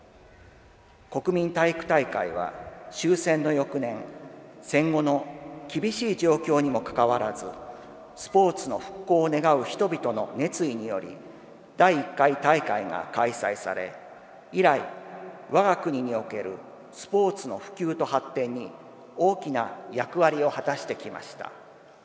国民体育大会は、終戦の翌年戦後の厳しい状況にもかかわらずスポーツの復興を願う人々の熱意により第１回大会が開催され以来、我が国におけるスポーツの普及と発展に大きな役割を果たしてきました。